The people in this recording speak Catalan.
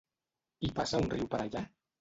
Hi passa un riu per allà?